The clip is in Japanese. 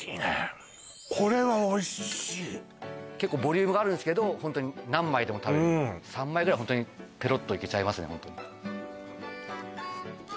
これはおいしい結構ボリュームがあるんですけどホントに何枚でも食べれる３枚ぐらいホントにペロッといけちゃいますね